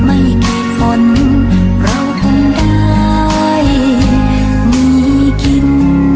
ไม่แค่ฝนเราต้องได้มีกิน